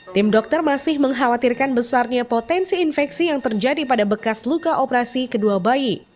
tim dokter masih mengkhawatirkan besarnya potensi infeksi yang terjadi pada bekas luka operasi kedua bayi